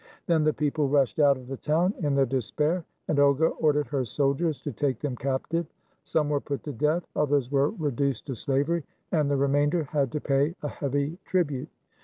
Then the people rushed out of the town in their despair, and Olga ordered her soldiers to take them cap tive. Some were put to death, others were reduced to slavery, and the remainder had to pay a heavy tribute.